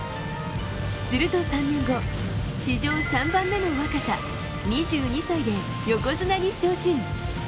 すると３年後、史上３番目の若さ２２歳で横綱に昇進。